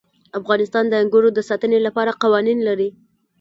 افغانستان د انګورو د ساتنې لپاره قوانین لري.